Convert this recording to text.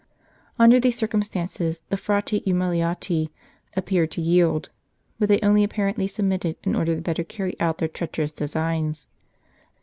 Under these circumstances the Frati Umiliati appeared to yield, but they only apparently submitted in order the better to carry out their treacherous designs.